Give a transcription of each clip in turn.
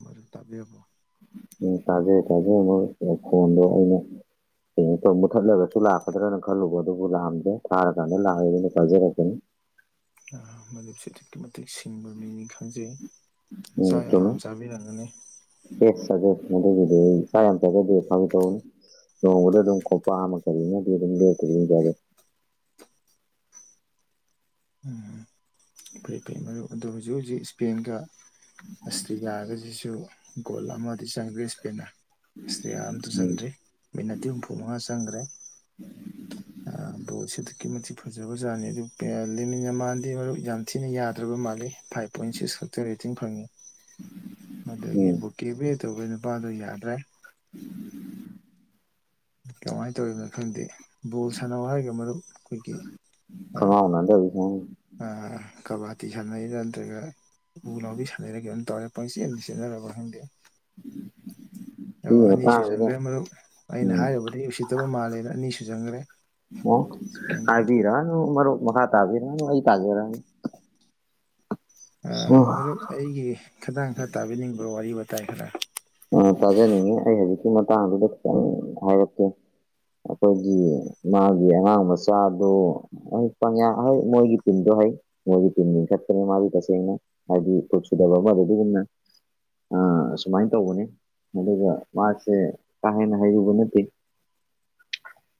ꯃ ꯇꯥꯕꯤ ꯍꯕꯣ ꯎ ꯀꯖꯦ ꯀꯖꯦ ꯑꯃꯈꯗꯅ ꯀꯩꯅꯣ ꯇꯧ ꯃꯨꯠꯊꯠꯂꯒꯁꯨ ꯂꯥꯛꯀꯗ꯭ꯔꯅ ꯈꯜꯂꯨꯕ ꯑꯗꯨꯕꯨ ꯂꯥꯛꯑꯝꯗꯦ ꯊꯥꯔꯀꯥꯟꯗ ꯂꯥꯛꯑꯦ ꯑꯗꯨꯅ ꯄꯥꯏꯖꯔꯛꯄꯅꯤ [unintelligible] ꯃ ꯁꯤ ꯊꯀꯤ [unintelligible] ꯃꯇꯤꯛ ꯁꯤꯡꯕ ꯃꯤꯅꯤ ꯈꯪꯖꯩ ꯎꯝ ꯆꯥꯛ ꯆꯨꯝꯃꯦ ꯌꯥꯝ ꯆꯥꯕꯤꯔꯝꯒꯅꯤ ꯃꯗꯒꯤꯗꯤ ꯁ ꯌꯥꯝꯇꯗꯤ ꯄꯥꯡꯒ ꯇꯧꯅꯤ ꯎ ꯑꯗꯨꯝ ꯀꯄꯃ ꯀꯔꯤꯗꯤ ꯑꯗꯨꯦ ꯀꯔꯤꯖꯗ ꯎꯝ ꯐꯩ ꯐꯩ ꯃꯔꯨꯞ ꯑꯗꯨꯗꯣ ꯍꯧꯖꯤꯛ ꯍꯧꯖꯤꯛ ꯏꯁꯄꯦꯟꯒ ꯑꯁꯇ꯭ꯦꯂꯤꯌꯥꯒꯁꯤꯁꯨ ꯒꯣꯜ ꯑꯃꯗꯤ ꯆꯪꯒꯦ ꯏꯁꯄꯦꯟꯅ ꯑꯁ ꯌꯥꯝ ꯑꯇ ꯎꯝ ꯆꯪꯗ꯭ꯔꯤ ꯃꯤꯅꯠꯇꯤ ꯍꯨꯝꯐꯨ ꯃꯉꯥ ꯆꯪꯈ꯭ꯔꯦ ꯑ ꯑꯗꯨꯣꯁꯦ ꯑꯗꯨꯛꯀꯤꯃ ꯐꯖꯕꯖꯅꯤ ꯑꯗꯨ ꯂꯤꯦꯃꯤꯟ ꯌꯥꯝ ꯃꯥꯥꯟꯗꯤ ꯃꯔꯨꯞ ꯌꯥꯝ ꯊꯤꯅ ꯌꯥꯗ꯭ꯔꯕ ꯃꯥꯜꯂꯤ ꯐꯥꯏꯚ ꯄꯣꯏꯟ ꯁꯤꯛꯁ ꯈꯛꯇ ꯔꯦꯇꯤꯡ ꯐꯪꯉꯤ ꯃꯒꯤ ꯎꯝ ꯕꯨꯀꯤ ꯄ ꯇꯧꯕ ꯅꯨꯄꯥꯗꯣ ꯌꯥꯗ꯭ꯔꯦ ꯀꯃꯥꯏꯅ ꯇꯧꯔꯤꯅꯣ ꯈꯪꯗꯦ ꯕꯣꯜ ꯁꯥꯟꯅꯧ ꯍꯥꯏꯔꯒ ꯃꯔꯨꯞ ꯑꯩꯈꯣꯏꯒꯤ ꯈꯪꯉꯥꯎ ꯅꯥꯟꯗꯕꯤ ꯁꯨꯃꯥꯏꯅ ꯑ ꯀꯕꯥꯗꯤ ꯁꯥꯟꯅꯩꯔꯥ ꯅꯠꯇ꯭ꯔꯒ ꯎꯜ ꯂꯥꯎꯕꯤ ꯁꯥꯟꯅꯩꯔ ꯀꯣꯝ ꯇꯧꯔꯦ ꯄꯪꯆꯦ ꯑꯃ ꯁꯦꯠꯟꯅꯔꯕ ꯈꯪꯗꯦ ꯎꯝ ꯑꯣ ꯑꯅꯤꯁꯨ ꯆꯪꯈ꯭ꯔꯦ ꯃꯔꯨꯞ ꯑꯩꯅ ꯎꯝ ꯍꯥꯏꯔꯨꯕꯗꯤ ꯎꯁꯤꯠꯇꯕ ꯃꯥꯜꯂꯦꯅ ꯑꯅꯤꯁꯨ ꯆꯪꯈ꯭ꯔꯦ ꯑꯣ ꯍꯥꯏꯕꯤꯔꯅꯨ ꯃꯔꯨꯞ ꯃꯈꯥ ꯇꯥꯕꯤꯔꯅꯨ ꯑꯩ ꯇꯥꯖꯔꯅ ꯑ ꯃꯔꯨꯞ ꯑꯩꯒꯤ ꯈꯈꯤꯇꯥꯡ ꯈꯔ ꯇꯥꯕꯤꯅꯤꯡꯕ ꯋꯥꯔꯤ ꯋꯥꯇꯥꯏ ꯈꯔ ꯑ ꯇꯥꯖꯅꯤꯡꯉꯤ ꯑꯩ ꯍꯧꯖꯤꯛꯀꯤ ꯃꯇꯥꯡꯗꯨꯗ ꯈꯤꯇꯪ ꯍꯥꯏꯔꯛꯀꯦ ꯑꯩꯈꯣꯏꯒꯤ ꯃꯥꯒꯤ ꯑꯉꯥꯡ ꯃꯆꯥꯗꯨ ꯄ ꯍꯣꯏ ꯃꯣꯏꯒꯤ ꯇꯤꯟꯗꯣ ꯍ ꯃꯣꯏꯗꯤ ꯇꯤꯟ ꯆꯠꯈꯔꯦ ꯃꯥꯒꯤ ꯇꯁꯦꯡꯅ ꯍꯥꯏꯗꯤ ꯄꯨꯁꯨꯗꯕ ꯑꯗꯨꯨꯝꯅ ꯑ ꯁꯨꯃꯥꯏ ꯇꯧꯕꯅꯤ ꯑꯗꯨꯒ ꯃꯥꯁꯦ ꯀꯥ ꯍꯦꯟꯅ ꯍꯥꯏꯔꯨꯕ ꯅꯠꯇꯦ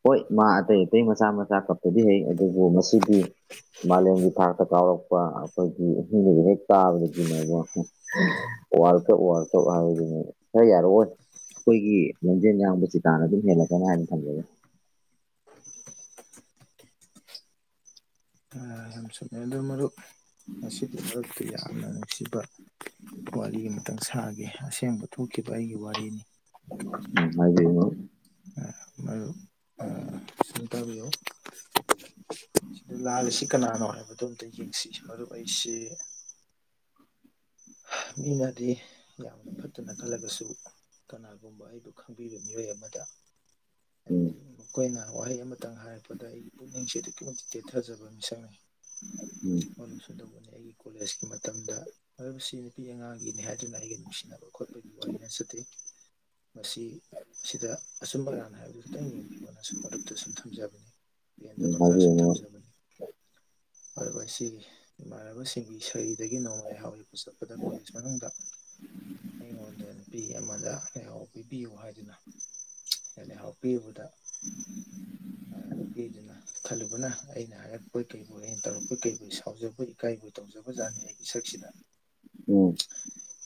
ꯍꯣꯏ ꯃꯥ ꯑꯇꯩ ꯑꯇꯩ ꯃꯆꯥ ꯃꯆꯥ ꯀꯄꯗꯤ ꯍꯩ ꯑꯗꯨꯕꯨ ꯉꯁꯤꯗꯤ ꯃꯥꯂꯦꯝꯒꯤ ꯊꯥꯛꯇ ꯀꯥꯎꯔꯛꯄ ꯑꯩꯈꯣꯏꯒꯤꯤꯡ ꯍꯦꯛ ꯇꯥꯕꯗꯒꯤꯅꯦꯕ ꯋꯥꯔ ꯀꯞ ꯋꯥꯔ ꯀꯞ ꯈꯔ ꯌꯥꯔꯑꯣꯣꯏ ꯑꯩꯈꯣꯏꯒꯤ ꯂꯝꯖꯦꯜ ꯌꯥꯡꯕ ꯆꯤꯇꯥꯥꯟꯅ ꯑꯗꯨꯝ ꯍꯦꯜꯂꯛꯀꯅꯤ ꯍꯥꯏꯅ ꯊꯝꯖꯒꯦ [inaudible] ꯃꯁꯤꯗ ꯃꯔꯛꯇ ꯌꯥꯝꯅ ꯅꯨꯡꯁꯤꯕ ꯋꯥꯔꯤ ꯑꯃꯇꯪ ꯁꯥꯈꯤ ꯑꯁꯦꯡꯕ ꯊꯣꯛꯈꯤꯕ ꯑꯩꯒꯤ ꯋꯥꯔꯤꯅꯤ ꯎꯝ ꯑꯗꯨ ꯃꯔ ꯎꯝ ꯕꯤ ꯑꯣꯣ ꯑꯗꯨ ꯂꯥꯜꯂꯤꯁꯤ ꯀꯅꯥꯅꯣ ꯍꯥꯏꯕꯗꯣ ꯑꯝꯇ ꯌꯦꯡꯁꯤ ꯃꯔꯨꯞ ꯑꯩꯁꯤ ꯃꯤꯅꯗꯤ ꯌꯥꯝꯅ ꯐꯠꯇꯅ ꯈꯜꯂꯒꯁꯨ ꯀꯅꯥꯒꯨꯝꯕ ꯑꯩꯕꯨ ꯈꯪꯕꯤꯕ ꯃꯤꯑꯣꯏ ꯑꯃꯗ ꯍꯥꯏꯕꯗꯤ ꯃꯈꯣꯏꯅ ꯋꯥꯍꯩ ꯑꯃ ꯑꯃꯈꯤꯇꯪ ꯍꯥꯏꯔꯛꯄꯗ ꯑꯩꯒꯤ ꯄꯨꯛꯅꯤꯡꯁꯦ ꯑꯗꯨꯛꯀꯤ ꯃꯇꯤꯛ ꯇꯦꯊꯖꯕ ꯃꯤꯁꯛꯅꯤ ꯎꯝ ꯃꯂꯨꯁꯨ ꯇꯧꯕꯅꯤ ꯑꯩꯒꯤ ꯀꯣꯂꯦꯖꯀꯤ ꯃꯇꯝꯗ ꯍꯥꯏ ꯅꯨꯄꯤ ꯑꯉꯥꯡꯒꯤꯅꯤ ꯍꯥꯏꯗꯨꯅ ꯑꯩꯒ ꯅꯨꯡꯁꯤꯅꯕ ꯈꯣꯠꯄꯒꯤ ꯋꯥꯔꯤ ꯅꯆꯗꯦ ꯃꯁꯤ ꯁꯤꯗ ꯑꯆꯨꯝ ꯑꯔꯥꯟ ꯍꯥꯏꯕꯗꯨ ꯈꯤꯇꯪ ꯌꯦꯡꯕꯤꯌꯣꯅ ꯁꯨꯝ ꯃꯔꯨꯞꯇ ꯁꯨꯝ ꯊꯝꯖꯕꯅꯤ ꯎꯝ ꯄꯦꯟꯗꯕ ꯈꯔ ꯁꯨꯝ ꯍꯥꯏꯕꯤꯌꯨ ꯊꯝꯖꯕꯅꯤ ꯑꯗꯨꯒ ꯑꯁꯤꯒꯤ ꯏꯃꯥꯟꯅꯕꯁꯤꯡꯒꯤ ꯁꯔꯤꯗꯒꯤ ꯅꯣꯡꯃꯗ ꯂꯩ ꯍꯥꯎꯔꯤ ꯄꯨ ꯆꯠꯄꯗ ꯀꯣꯂꯦꯖ ꯃꯅꯨꯡꯗ ꯑꯩꯉꯣꯟꯗ ꯅꯨꯄꯤ ꯑꯃꯗ ꯂꯩꯥꯏꯍꯥꯎ ꯄꯤꯕꯤꯌꯨ ꯍꯥꯏꯗꯨꯅ ꯑꯩꯅ ꯍꯥꯎ ꯄꯤꯕꯗ ꯅꯨꯄꯤꯗꯨꯅ ꯈꯜꯂꯨꯕꯅ ꯑꯩꯅ ꯍꯥꯏꯔꯛꯄꯩ ꯀꯔꯤꯕꯕꯨ ꯑꯩꯅ ꯇꯧꯔꯛꯄꯩ ꯀꯨ ꯁꯥꯎꯖꯕ ꯏꯀꯥꯏꯕꯨ ꯇꯧ ꯇꯣꯡꯖꯕꯖꯥꯅꯤꯡ ꯑꯩꯒꯤꯁꯛ ꯈꯈꯤꯗ ꯎ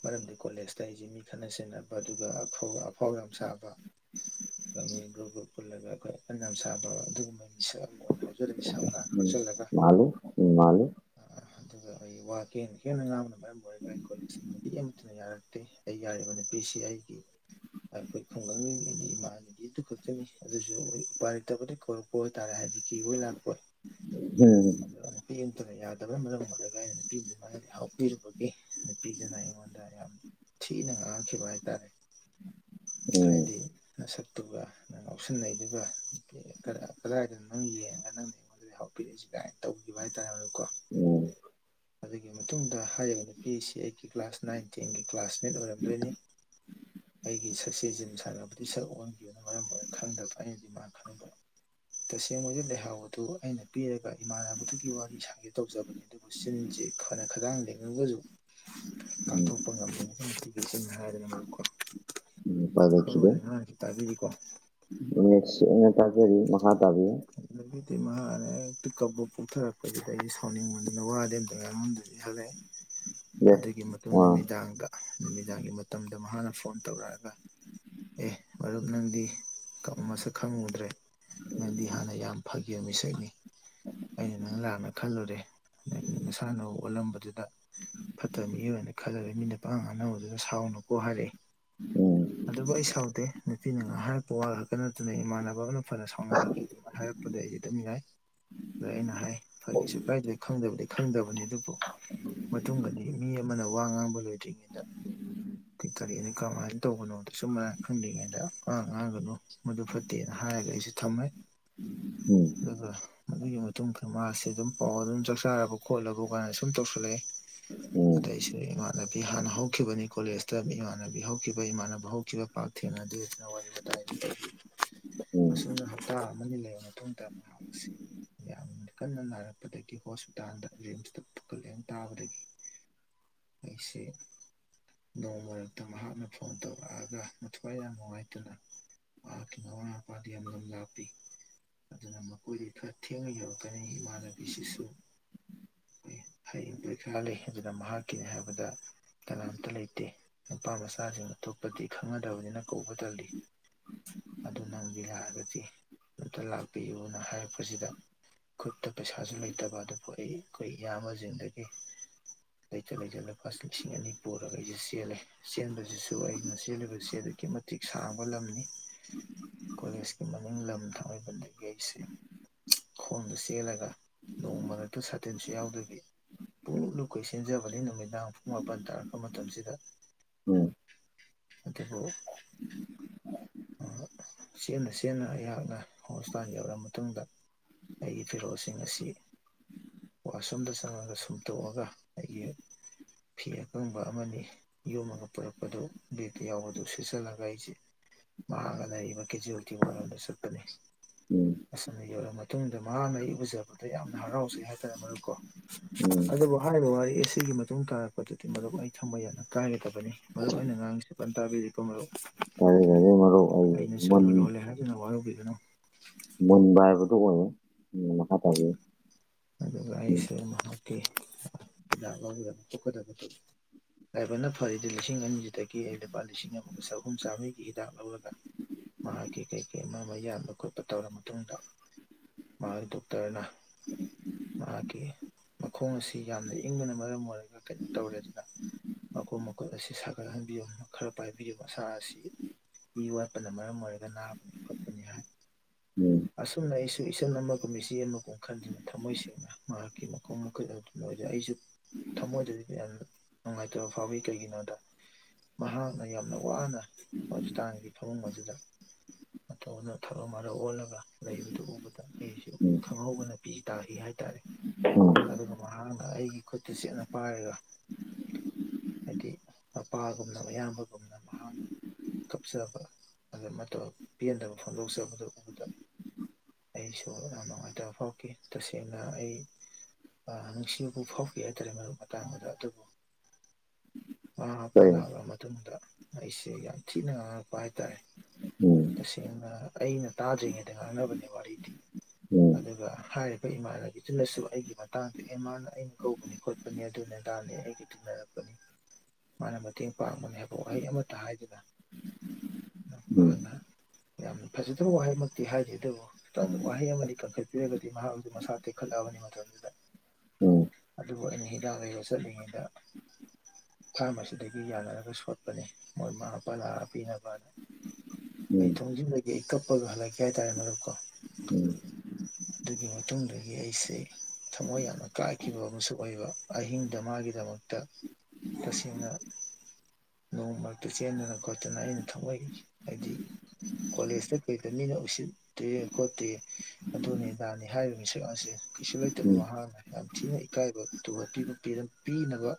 ꯃꯔꯝꯗꯤ ꯀꯣꯂꯦꯖꯇ ꯑꯩꯁꯦ ꯃꯤ ꯈꯠꯅ ꯁꯦꯟꯅꯕ ꯑꯗꯨꯒ ꯑꯐꯥꯎ ꯌꯥꯝ ꯁꯥꯕ ꯒ꯭ꯔꯨꯞ ꯒ꯭ꯔꯨꯞ ꯄꯨꯜꯂꯒ ꯑꯩꯈꯣꯏ ꯐ ꯌꯥꯝ ꯁꯥꯕ ꯑꯗꯨꯒꯨꯝꯕ ꯃꯤꯁꯛ ꯑꯃ ꯑꯣꯏꯅ ꯍꯧꯖꯔꯛꯏ ꯁꯝꯅ ꯀꯛꯆꯜꯂꯒ ꯃꯥꯂ ꯎ ꯃꯥꯂꯨ ꯑꯩꯈꯣꯏꯒꯤ ꯋꯥ ꯀꯦꯅ ꯈꯦꯅ ꯉꯥꯡꯕꯅ ꯃꯔꯝ ꯑꯣꯏꯔꯒ ꯑꯩ ꯀꯣꯂꯦꯖ ꯅꯨꯄꯤ ꯑꯃꯠꯇꯅ ꯌꯥꯔꯒꯦ ꯑꯩ ꯌꯥꯔꯤꯕ ꯅꯨꯄꯤꯁꯤ ꯑꯩꯒꯤ ꯑꯩꯈꯣꯏ ꯈꯨꯡꯒꯪꯒꯤꯗꯤ ꯏꯃꯥꯟꯅꯕꯤꯗꯨ ꯈꯛꯇꯅꯤ ꯑꯗꯨꯁꯨ ꯑꯩꯣꯏ ꯎꯄꯥꯏꯔꯇꯕꯗ ꯀꯧꯔꯛꯄ ꯑꯣꯏꯇꯥꯔꯦ ꯍꯥꯏ ꯗꯤ ꯀ ꯍꯣꯏ ꯂꯥꯛꯄꯣ ꯍꯝ ꯠꯇꯅ ꯌꯥꯗꯕꯅ ꯃꯔꯝ ꯑꯣꯏꯔꯂꯒ ꯑꯩꯅ ꯅꯨꯄꯤꯗꯨꯃꯅ ꯑꯦ ꯅꯨꯄꯤꯗꯨꯅ ꯑꯩꯉꯣꯟꯗ ꯌꯥꯝ ꯊꯤꯅ ꯉꯥꯡꯈꯤꯕ ꯍꯥꯏꯇꯥꯔꯦ ꯎꯝ ꯍꯥꯏꯗꯤ ꯃꯁꯛ ꯑꯗꯨꯒ ꯅꯪ ꯉꯥꯎꯁꯤꯟꯅꯩꯗꯨꯒ ꯀꯗꯥꯏꯗꯅꯣ ꯅꯪ ꯌꯦꯡꯉꯒ ꯅꯪꯅꯉꯣꯟ ꯑꯗꯨ ꯍꯥꯞꯄꯤꯔꯛꯏꯁꯦ ꯀꯃꯥꯏꯅ ꯇꯧꯈꯤꯕ ꯍꯥꯏꯇꯥꯔꯦꯀꯣ ꯎꯝ ꯎꯝ ꯑꯗꯨꯒꯤ ꯃꯇꯨꯡꯗ ꯍꯥꯏꯔꯤꯕ ꯅꯨꯄꯤ ꯑꯁꯤ ꯑꯩꯒꯤ ꯀ꯭ꯂꯥꯁ ꯅꯥꯏꯟ ꯇꯦꯟꯒꯤ ꯀ꯭ꯂꯥꯁꯃꯦꯠ ꯑꯣꯏꯔꯝꯗꯣꯏꯅꯤ ꯑꯩꯒꯤ ꯁꯛꯁꯦꯁ ꯖꯤꯝ ꯁꯥꯟꯅꯕꯗꯤ ꯁꯔꯛ ꯑꯣꯟꯈꯤꯕꯅ ꯃꯔꯝ ꯑꯣꯏꯔ ꯈꯪꯗꯕ ꯑꯩꯅꯗꯤ ꯃꯥ ꯈꯪꯕ ꯇꯁꯦꯡꯕꯒꯤ ꯂꯩꯍꯥꯎ ꯑꯗꯨ ꯑꯩꯅ ꯄꯤꯔꯒ ꯏꯃꯥꯟꯅꯕꯗꯒꯤ ꯋꯥꯔꯤ ꯁꯥꯒꯦ ꯇꯧꯖꯕꯅꯤ ꯑꯗꯨꯕꯨ ꯁꯤ ꯐꯅ ꯈꯇꯥꯡꯗꯒꯁꯨ ꯎꯝ ꯀꯥꯡꯊꯣꯛꯄ ꯉꯝꯃꯦꯇꯤꯒꯤꯁꯤꯡꯅ ꯍꯥꯏꯔꯅꯨꯀꯣ ꯄ ꯂꯦꯈꯤꯗꯩꯅ ꯇꯖꯔꯤ ꯃꯍꯥ ꯇꯕꯤ ꯎꯝ ꯑꯗꯨꯗꯤ ꯃꯥꯔꯦ ꯍꯛꯇꯤ ꯀꯞꯄ ꯄꯣꯛꯊꯔꯛꯄꯗꯨꯗ ꯑꯩꯗꯤ ꯁꯥꯎꯅꯤꯡꯕꯅꯤꯅ ꯋꯥꯗꯤꯦ ꯑꯝꯇꯪ ꯉꯉꯣꯟꯗꯗꯤp ꯍꯜꯂꯛꯑꯦ ꯌꯦꯁ ꯑꯗꯨꯒꯤ ꯃꯇꯨꯡ ꯑꯥ ꯅꯨꯃꯤꯗꯥꯡꯗ ꯅꯨꯃꯤꯗꯥꯡꯒꯤ ꯃꯇꯝꯗ ꯃꯍꯥꯛꯅ ꯐꯣꯟ ꯇꯧꯔꯛꯑꯒ ꯑꯦ ꯃꯔꯨꯞ ꯅꯪꯗꯤ ꯀ ꯃꯁꯨ ꯈꯪꯉꯨꯗ꯭ꯔꯦ ꯅꯪꯗꯤ ꯑꯩ ꯍꯥꯟꯅ ꯌꯥꯝ ꯐꯈꯤꯕ ꯃꯤꯁꯛꯅꯤ ꯑꯩꯅ ꯅꯪ ꯂꯥꯛꯅ ꯈꯜꯂꯨꯔꯦꯒꯤ ꯃꯁꯥꯅ ꯑꯣꯜꯂꯝꯕꯗꯨꯗ ꯐꯠꯇꯕ ꯃꯤꯑꯣꯏꯅ ꯈꯜꯂꯔꯦ ꯃꯤꯅꯄꯥ ꯉꯥꯡꯅꯧꯗꯨꯅ ꯁꯥꯎꯅꯀꯣ ꯍꯥꯏꯔꯛꯏp ꯎꯝ ꯑꯗꯨꯕꯨ ꯑꯩ ꯁꯥꯎꯗꯦ ꯅꯨꯄꯤꯅ ꯉꯥꯏꯍ ꯍꯥꯏꯔꯄ ꯋꯥ ꯈꯛꯇ ꯅꯠꯇꯅ ꯏꯃꯥꯟꯅꯕ ꯑꯃꯅ ꯐꯅ ꯁꯥꯎꯅꯔꯒꯦ ꯑꯩ ꯑꯗꯨ ꯍꯥꯏꯔꯛꯄꯗ ꯑꯩꯗꯤꯦ ꯇꯝꯅꯤꯡꯉꯥꯏ ꯑꯗꯨꯗ ꯑꯩꯅ ꯍꯥꯏ ꯐꯩꯁꯨ ꯀꯥꯏꯗꯩ ꯈꯪꯗꯕꯗꯤ ꯈꯪꯗꯕꯅꯤ ꯑꯗꯨꯕꯨ ꯃꯇꯨꯡꯗꯗꯤ ꯃꯤ ꯑꯃꯅ ꯋꯥ ꯉꯥꯡꯕ ꯂꯣꯏꯗ꯭ꯔꯤꯉꯩꯗ ꯀ ꯇꯔꯤ ꯑ ꯑꯗꯨ ꯀꯃꯥꯏꯅ ꯇꯧꯕꯅꯣꯗꯁꯨ ꯃꯔꯥꯡ ꯈꯪꯗ꯭ꯉꯩꯗ ꯑ ꯉꯥꯡꯒꯅꯨ ꯃꯗꯨ ꯐꯠꯇꯦꯅ ꯍꯥꯏ ꯑꯩꯁꯦ ꯊꯝꯃꯦ ꯎꯝ ꯑꯗꯨꯒ ꯑꯗꯨꯒꯤ ꯃꯇꯨꯡꯗꯔ ꯃꯥꯁꯤꯦ ꯑꯗꯨꯝ ꯄꯥꯎ ꯑꯗꯨꯝ ꯆꯥꯛ ꯆꯥꯒ ꯈꯣꯠꯂꯒ ꯀꯥꯏꯅ ꯁꯨꯝ ꯇꯧꯁꯜꯂꯛꯑꯦ ꯎꯝ ꯑꯗꯩꯁꯨ ꯏꯃꯥꯟꯅꯕꯤ ꯍꯥꯟꯅ ꯍꯧꯈꯤꯕꯅꯤ ꯀꯣꯂꯦꯖꯇ ꯏꯃꯥꯟꯅꯕꯤ ꯍꯧꯈꯤꯕ ꯏꯃꯥꯟꯅꯕ ꯍꯧꯈꯤꯕ ꯄꯥꯛ ꯊꯦꯡꯅꯗꯦꯅ ꯋꯥꯔꯤ ꯋꯥꯇꯥꯏꯗꯤ ꯀ ꯎꯝ ꯑꯁꯨꯝꯅ ꯍꯞꯇꯥ ꯑꯃꯅꯤ ꯂꯩꯔꯕ ꯃꯇꯨꯡꯗ ꯃꯍꯥꯛ ꯑꯁꯤ ꯌꯥꯝꯅ ꯀꯟꯅ ꯅꯥꯔꯛꯄꯗꯒꯤ ꯍꯣꯁꯄꯤꯇꯥꯜꯗ ꯔꯤꯝꯁꯇ ꯄꯨꯀꯠꯂꯦꯅ ꯇꯥꯕꯗꯒꯤ ꯑꯩꯁꯦ ꯅꯣꯡ ꯃꯔꯛꯇ ꯃꯍꯥꯛꯅ ꯐꯣꯟ ꯇꯧꯔꯛꯑꯒ ꯃꯊ꯭ꯋꯥꯏ ꯌꯥꯝ ꯅꯨꯡꯉꯥꯏꯇꯅ ꯗꯤ ꯑꯗꯨꯅ ꯃꯈꯣꯏꯗ ꯈꯔ ꯊꯦꯡꯅ ꯌꯧꯔꯛꯀꯅꯤ ꯏꯃꯥꯟꯅꯕꯤꯁꯤꯁꯨ ꯍꯡ ꯈꯥꯜꯂꯤ ꯑꯗꯨꯅ ꯃꯍꯥꯛꯀꯤꯅꯤ ꯍꯥꯏꯕꯗ ꯀꯅꯥꯝꯇ ꯂꯩꯇꯦ ꯅꯨꯄꯥ ꯃꯆꯥꯁꯤꯡ ꯊꯣꯛꯄꯗꯤ ꯈꯪꯅꯗꯕꯅꯤꯅ ꯀꯧꯕ ꯇꯜꯂꯤ ꯑꯗꯨ ꯅꯪꯗꯤ ꯂꯥꯛꯑꯒꯗꯤ ꯑꯝꯇ ꯂꯥꯛꯄꯤꯌꯨꯅ ꯍꯥꯏꯔꯛꯄꯁꯤꯗ ꯈꯨꯠꯇ ꯄꯩꯁꯥꯁꯨ ꯂꯩꯇꯕ ꯑꯗꯨ ꯄꯣꯛꯏ ꯑꯩꯈꯣꯏ ꯏꯌꯥꯝꯕꯁꯤꯡꯗꯒꯤ ꯂꯩꯆꯠ ꯂꯩꯆꯠ ꯂꯨꯄꯥ ꯂꯤꯁꯤꯡ ꯑꯅꯤ ꯄꯨꯔꯒ ꯑꯩꯁꯦ ꯆꯦꯜꯂꯦ ꯆꯦꯟꯕꯁꯤꯁꯨ ꯑꯩꯅ ꯆꯦꯜꯂꯤꯕꯕꯁꯤ ꯑꯗꯨꯛꯀꯤ ꯃꯇꯤꯛ ꯁꯥꯥꯡꯕ ꯂꯝꯅꯤ ꯀꯣꯂꯦꯖꯀꯤ ꯃꯅꯤꯡ ꯂꯝ ꯊꯃꯣꯏꯕꯟ ꯂꯩꯁꯦ ꯈꯣꯡꯗꯨ ꯆꯦꯜꯂꯒ ꯅꯣꯡ ꯃꯔꯛꯇꯨ ꯁꯥꯇꯤꯟꯁꯨ ꯌꯥꯎꯗꯕꯤ ꯄꯨꯡꯛ ꯂꯨꯀꯣꯏ ꯁꯤꯟꯖꯕꯅꯤ ꯅꯨꯃꯤꯗꯥꯡ ꯄꯨꯡ ꯃꯥꯄꯟ ꯇꯥꯔꯛꯄ ꯃꯇꯝꯁꯤꯗ ꯎ ꯑꯗ ꯍꯣ ꯆꯦꯅ ꯆꯦꯠꯅ ꯑꯩꯍꯥꯛꯅ ꯍꯣꯁꯄꯤꯇꯥꯜ ꯌꯧꯔꯑ ꯃꯇꯨꯡꯗ ꯑꯩ ꯐꯤꯔꯣꯁꯤꯡ ꯑꯁꯤ ꯋꯥꯁꯔꯨꯝꯗ ꯆꯪꯉꯒ ꯁꯨꯝꯇꯣꯛꯑꯒ ꯑꯩꯒꯤ ꯐꯤ ꯑꯀꯪꯕ ꯑꯃꯅꯤ ꯌꯣꯝꯃꯒ ꯄꯨꯔꯛꯄꯗꯨ ꯕꯦꯛꯇ ꯌꯥꯎꯕꯗꯨ ꯁꯤꯠꯆꯜꯂꯒ ꯑꯩꯁꯦ ꯃꯍꯥꯛꯥꯡꯒ ꯂꯩꯔꯤꯕ ꯀꯦꯖꯤꯀꯤ ꯋꯥꯔꯣꯗ ꯆꯠꯄꯅꯤ ꯎꯝ ꯑꯁꯨꯝꯅ ꯌꯧꯔꯃ ꯃꯇꯨꯡꯗ ꯃꯍꯥꯛꯅ ꯑꯩ ꯎꯖꯕꯗ ꯌꯥꯝꯅ ꯍꯔꯥꯎꯖꯩ ꯍꯥꯏꯇꯥꯔꯦ ꯃꯔꯨꯀꯣ ꯎꯝ ꯑꯗꯨꯕꯨ ꯍꯥꯏꯔꯤꯕ ꯋꯥꯔꯤ ꯑꯁꯤ ꯒꯤ ꯃꯇꯨꯡ ꯇꯥꯔꯛꯄꯗꯗꯤ ꯃꯔꯨꯞ ꯑꯩ ꯊꯝꯕ ꯌꯥꯅ ꯀꯥꯏꯒꯗꯕꯅꯤ ꯃꯔꯨꯞ ꯑꯩꯅ ꯉꯥꯡꯉꯁꯤꯄꯟ ꯇꯥꯕꯤꯔꯤꯕ ꯃꯔꯨꯞ ꯍ ꯑꯩꯅ ꯁꯤꯂ ꯂꯣꯜꯂꯦ ꯍꯥꯏꯗꯨꯅ ꯋꯥꯔꯧꯕꯤꯒꯅꯨ ꯃꯟꯕ ꯍꯥꯏꯕꯗꯨꯣ ꯑꯣꯏꯌꯦ ꯃꯈꯥ ꯇꯥ ꯑꯗꯨꯒ ꯑꯩꯁꯨ ꯃꯍꯥꯛꯀꯤ ꯍꯤꯗꯥꯛ ꯂꯧꯒꯗꯕ ꯈꯣꯠꯀꯗꯕꯗꯨ ꯂꯥꯏꯕꯔꯅ ꯐꯔꯤꯗꯤ ꯂꯤꯁꯤꯡ ꯑꯅꯤꯁꯤꯗꯒꯤ ꯑꯩ ꯂꯨꯄꯥ ꯂꯤꯁꯤꯡ ꯑꯃꯒ ꯆꯍꯨꯝ ꯆꯥꯝꯃꯔꯤꯒꯤ ꯍꯤꯗꯥꯛ ꯂꯧꯔꯒ ꯃꯍꯥꯛꯀꯤ ꯀꯩꯀꯩ ꯑꯃ ꯑꯃ ꯌꯥꯟꯕ ꯈꯣꯠꯄ ꯇꯧꯔꯕ ꯃꯇꯨꯡꯗ ꯃꯥꯔꯗꯨꯣꯛꯇꯔꯅ ꯃꯍꯥꯛꯀꯤ ꯃꯈꯣꯡ ꯑꯁꯤ ꯌꯥꯝꯅ ꯏꯪꯕꯅ ꯃꯔꯝ ꯑꯣꯏꯔꯒ ꯀꯩꯅꯣ ꯇꯧꯔꯦ ꯑꯗꯨꯅ ꯃꯈꯀꯣ ꯃꯈꯀꯨꯠ ꯑꯁꯤ ꯁꯥꯒꯠꯍꯟꯕꯤꯌꯨ ꯈꯔ ꯄꯥꯏꯕꯤꯌꯨ ꯃꯁꯥ ꯑꯁꯤ ꯏ ꯋꯥꯠꯄꯅ ꯃꯔꯝ ꯑꯣꯏꯔꯒ ꯅꯥꯕꯅꯤ ꯈꯣꯠꯄꯅꯤ ꯍꯥꯏ ꯎꯝ ꯑꯁꯨꯝꯅ ꯑꯩꯁꯨ ꯏꯆꯟ ꯑꯃꯒꯨꯝ ꯏꯆꯦ ꯑꯃꯒꯨꯝ ꯈꯟꯗꯨꯅ ꯊꯝꯃꯣꯏꯁꯤ ꯃꯍꯥꯛꯀꯤꯀꯤ ꯃꯈꯨꯝ ꯃꯈ ꯑꯩꯁꯨ ꯊꯝꯃꯣꯏ ꯑꯗꯨꯗꯤ ꯌꯥꯝ ꯅꯨꯡꯉꯥꯏꯇꯕ ꯐꯥꯎꯋꯤ ꯀꯩꯒꯤꯅꯣꯗ ꯃꯍꯥꯛꯅ ꯌꯥꯝꯅ ꯋꯥꯅ ꯍꯣꯁꯄꯤꯇꯥꯜꯒꯤ ꯐꯃꯨꯡ ꯑꯗꯨꯗ ꯑꯧꯅ ꯊꯕꯛꯝ ꯑꯃꯔ ꯑꯣꯜꯂꯒ ꯂꯩꯕꯗꯨ ꯎꯕꯗ ꯑꯩꯁꯨ ꯎꯝ ꯈꯪꯍꯧꯕꯅ ꯄꯤ ꯇꯥꯈꯤ ꯍꯥꯏꯔꯦ ꯍꯥꯏ ꯇꯔꯦ ꯎꯝ ꯑꯗꯨꯒ ꯃꯍꯥꯛꯗ ꯑꯩꯒꯤ ꯈꯨꯠꯇ ꯆꯦꯠꯅ ꯄꯥꯏꯔꯒ ꯍꯥꯏꯗꯤ ꯃꯄꯥꯒꯨꯝꯅ ꯑꯌꯥꯝꯕꯒꯨꯝꯅ ꯃꯍꯥꯛꯅ ꯀꯞꯆꯕ ꯑ ꯃꯇꯝ ꯄꯦꯟꯗꯕ ꯐꯣꯡꯗꯣꯛꯆꯕꯗꯨ ꯎꯕꯗ ꯑꯩꯁꯨ ꯌꯥꯝ ꯅꯨꯡꯉꯥꯏꯇꯕ ꯐꯥꯎꯈꯤ ꯇꯁꯦꯡ ꯁꯦꯡꯅ ꯑꯩ ꯅꯨꯡꯁꯤꯕꯕꯨ ꯐꯥꯎꯈꯤ ꯍꯥꯏꯇꯥꯔꯦ ꯃꯔꯨꯞ ꯃꯇꯥꯡ ꯑꯗ ꯑꯗꯨꯕꯨ ꯑ ꯃꯄꯥ ꯀꯩ ꯂꯥꯛꯂꯕ ꯃꯇꯨꯡꯗ ꯑꯩꯁꯦ ꯌꯥꯝ ꯊꯤꯅ ꯉꯥꯡꯉꯛꯄ ꯍꯥꯏꯇꯥꯔꯦ ꯎꯝ ꯇꯁꯦꯡꯅ ꯑꯩꯅ ꯇꯥꯗ꯭ꯔꯤꯉꯩꯗ ꯉꯥꯡꯅꯕꯅꯦ ꯋꯥꯔꯤꯗꯤ ꯎꯝ ꯑꯗꯨꯗ ꯍꯥꯏ ꯑꯩꯈꯣꯏ ꯏꯃꯥꯟꯅꯕꯤꯗꯨꯅꯁꯨ ꯑꯩꯒꯤ ꯃꯇꯥꯡꯗ ꯑꯦ ꯃꯥꯅ ꯑꯩꯅ ꯀꯧꯕꯧꯕꯅꯤ ꯈꯣꯠꯄꯅꯤ ꯑꯗꯨꯅꯦꯗꯥꯅꯦ ꯑꯩꯒꯤ ꯇꯟꯅꯔꯛꯄ ꯃꯥꯅ ꯃꯇꯦꯡ ꯄꯥꯡꯕꯅꯤ ꯍꯥꯏꯕ ꯋꯥꯍꯩ ꯑꯃꯇ ꯍꯥꯏꯗꯨꯅ ꯎꯝ ꯃꯍꯥꯛꯅ ꯌꯥꯝꯅ ꯐꯖꯗꯕ ꯋꯥꯍꯩꯃꯛꯇꯤ ꯍꯥꯏꯗꯦ ꯑꯗꯨꯕꯨ ꯈꯤꯇꯪ ꯋꯥꯍꯩ ꯑꯃꯅꯤ ꯀꯟꯈꯠꯄꯤꯔꯒꯗꯤ ꯃꯍꯥꯛ ꯑꯗꯨ ꯃꯁꯥ ꯇꯦꯛꯈꯠꯂꯛꯑꯕꯅꯤ ꯃꯇꯝꯗꯨꯗ ꯎꯝ ꯎꯝ ꯑꯗꯨꯕꯨ ꯑꯩꯅ ꯌꯥꯗ ꯌꯁ ꯑꯗꯨꯉꯗ ꯐꯥꯝ ꯑꯁꯤꯗꯒꯤ ꯌꯥꯅꯔꯒ ꯁꯣꯠꯄꯅꯤ ꯃꯣꯏꯃꯥ ꯃꯄꯥ ꯂꯔ ꯄꯤꯅꯕꯅꯤ ꯑꯩ ꯊꯣꯡꯖꯤꯟꯂꯒꯦ ꯑꯩ ꯀꯞꯄꯒ ꯍꯜꯂꯛꯀꯦ ꯍꯥꯏꯇꯥꯔꯦ ꯃꯛꯀꯣ ꯑꯗꯨꯒꯤ ꯃꯇꯨꯡꯗꯒꯤ ꯑꯩꯁꯦ ꯊꯃꯣꯏ ꯌꯥꯝꯅ ꯀꯥꯈꯤꯕ ꯑꯃꯁꯨ ꯑꯣꯏꯕ ꯑꯍꯤꯡꯗ ꯃꯥꯒꯤꯗꯃꯛꯇ ꯇꯁꯦꯡꯅ ꯅꯣꯡ ꯃꯔꯛꯇ ꯆꯦꯟꯗꯅ ꯈꯣꯠꯇꯅ ꯑꯩꯅ ꯊꯃꯏꯈꯤ ꯍꯥꯏꯗꯤ ꯀꯣꯂꯦꯁꯇ ꯀꯩꯗ ꯃꯤꯅ ꯎꯁꯤꯠꯇꯦ ꯈꯣꯠꯇꯦ ꯑꯗꯨꯅꯤ ꯏꯗꯥꯅꯤ ꯍꯥꯏꯔꯤꯕ ꯃꯤꯁꯛ ꯑꯁꯤ ꯀꯩꯁꯨ ꯂꯩꯇꯕ ꯃꯍꯅ ꯌꯥꯝ ꯊꯤꯅ ꯏꯀꯥꯏꯕ ꯇꯨꯍꯄꯤꯕ ꯄꯤꯅꯕ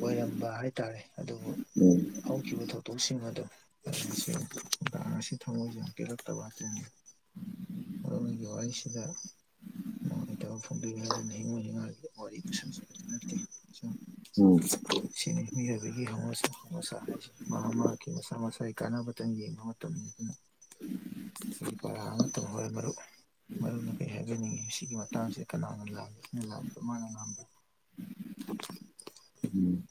ꯑꯣꯏꯔꯝꯕ ꯍꯥꯏꯇꯥꯔꯦ ꯑꯗꯨꯕꯨ ꯎꯝ ꯎꯝ ꯎꯝ ꯍꯧꯈꯤꯕ ꯊꯧꯗꯣꯛꯁꯤꯡ ꯑꯗꯨꯣ ꯇꯁꯤ ꯊ ꯃꯣꯏꯖ ꯀꯦꯔꯠꯇꯕꯀꯅꯤ ꯃꯔꯒꯤ ꯋꯥꯔꯤꯁꯤꯗ ꯅꯨꯡꯉꯥꯏꯇꯕ ꯐꯣꯡꯕꯤꯌꯦ ꯍꯥꯏꯗꯨꯅ ꯍꯤꯡꯉꯣꯅꯤꯡꯉꯥꯏꯒꯤ ꯋꯥꯔꯤ ꯄꯨꯁꯤꯟꯖꯕꯗꯤ ꯅꯠꯇꯦ ꯁꯨꯝ ꯎꯝ ꯁꯤꯅ ꯍꯤꯡꯖꯕꯒꯤꯁꯁꯥ ꯍꯥꯏꯁꯤꯦ ꯃꯍꯥꯛ ꯃꯍꯥꯛꯀꯤ ꯃꯁꯥ ꯃꯁꯥꯒꯤ ꯀꯥꯟꯅꯕꯇꯪ ꯌꯦꯡꯕ ꯃꯇꯝꯅꯤ ꯑꯗꯨꯅ ꯄꯔꯥ ꯑꯃꯇꯪ ꯍꯣꯏ ꯃꯔ ꯃꯔ ꯀꯩ ꯍꯥꯏꯖꯅꯤꯡꯏꯤ ꯁꯤꯒꯤ ꯃꯇꯥꯡꯁꯤꯗ ꯀꯅꯥꯅ ꯂꯥꯜꯂꯤ ꯁꯤꯅ ꯂꯥꯛꯗ ꯃꯥꯅ ꯂꯥꯝꯕ [inaudible] [unintelligible]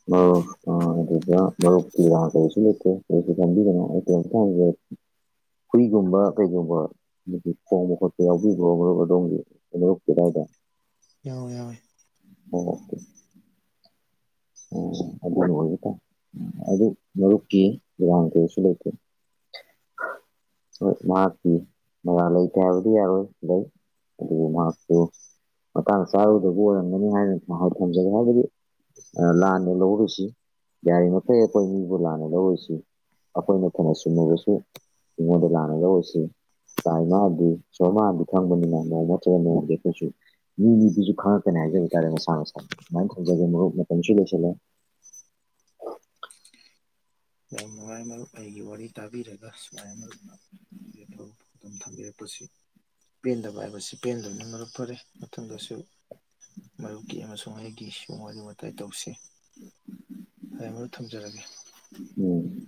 ꯃꯔꯨꯞꯗ ꯃꯔꯨꯞꯀꯤ ꯀꯔꯤꯁꯨ ꯂꯩꯇꯦ ꯀꯔꯤꯁꯨ ꯈꯟꯕꯤꯗꯅ ꯑꯩ ꯍꯨꯏꯒꯨꯝꯕ ꯀꯩꯒꯨꯝꯕ ꯈꯣꯡꯕ ꯈꯣꯠꯄ ꯌꯥꯎꯕꯤꯕ꯭ꯔꯣ ꯃꯔꯨꯞ ꯑꯗꯣꯝꯒꯤ ꯃꯔꯨꯞ ꯀꯦꯗꯥꯏꯗ ꯌꯥꯎꯦ ꯌꯥꯎꯋꯦ ꯎ ꯑꯗꯨ ꯑꯣꯏꯕ ꯇꯥꯏ ꯑꯗꯨ ꯃꯔꯨꯞꯀꯤ ꯗꯨꯀꯥꯟ ꯀꯩꯁꯨ ꯂꯩꯇꯦ [inaudible] [unintelligible] ꯍꯣꯏ ꯃꯍꯥꯛꯀꯤ ꯃꯔꯥ ꯂꯩꯇꯦ ꯍꯥꯏꯕꯗꯤ ꯌꯥꯔꯣꯏ ꯂꯩ ꯑꯗꯨꯕꯨ ꯃꯍꯥꯛꯇꯨ ꯃꯇꯥꯡ ꯆꯥꯔꯨꯗꯕ ꯑꯣꯏꯔꯝꯒꯅꯤ ꯍꯥꯏꯅ ꯊꯝꯖꯒꯦ ꯍꯥꯏꯕꯗꯤ ꯂꯥꯟꯅ ꯂꯧꯔꯨꯁꯤ ꯌꯥꯔꯤꯃꯩ ꯑꯩꯈꯣꯏ ꯃꯤꯕꯨ ꯂꯥꯟꯅ ꯂꯧꯔꯨꯁꯤ ꯑꯩꯈꯣꯏꯅ ꯊꯅ ꯆꯨꯝꯃꯒꯁꯨ ꯑꯩꯉꯣꯟꯗ ꯂꯥꯟꯅ ꯂꯧꯔꯁꯤ ꯇꯥꯏꯃꯗꯤ ꯁꯃꯗꯤ ꯈꯪꯕꯅꯤꯅ ꯃꯣꯡꯃꯊ ꯀꯩꯁꯨ ꯃꯤ ꯃꯤꯗꯨꯁꯨ ꯈꯪꯉꯛꯀꯅꯤ ꯍꯥꯏꯖꯕ ꯇꯥꯔꯦ ꯃꯁꯥ ꯃꯁꯥ ꯑꯗꯨꯃꯥꯏꯅ ꯊꯝꯖꯒꯦ ꯃꯨꯞ ꯃꯇꯝꯁꯨ ꯂꯣꯏꯁꯤꯜꯂꯦ [inaudible] [unintelligible] ꯅꯉꯥꯏ ꯃꯔꯨꯞ ꯑꯩꯒꯤ ꯋꯥꯔꯤ ꯇꯥꯕꯤꯔꯒ ꯁꯨꯋꯥꯏ ꯃꯔꯨꯞꯅ ꯑꯩꯒꯤ ꯑꯐꯥꯎꯕ ꯄꯥꯎꯗꯝꯝ ꯊꯝꯕꯤꯔꯛꯄꯁꯤ ꯄꯦꯟꯗꯕ ꯍꯥꯏꯕꯁꯤ ꯄꯦꯟꯗꯕꯅ ꯃꯔꯝ ꯐꯔꯦ ꯃꯊꯪꯗꯁꯨ ꯃꯔꯨꯞꯀꯤ ꯑꯃꯁꯨꯡ ꯑꯩꯒꯤꯁꯨ ꯋꯥꯔꯤ ꯋꯥꯇꯥꯏ ꯇꯧꯁꯤ ꯐ ꯑꯃ ꯊꯝꯖꯔꯒꯦ ꯎꯝ